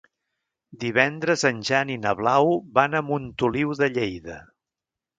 Divendres en Jan i na Blau van a Montoliu de Lleida.